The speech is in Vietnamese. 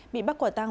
bị bắt quả tăng